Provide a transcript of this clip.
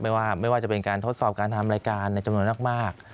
ไม่ว่าจะเป็นการทดสอบการทำรายการในจำนวนมาก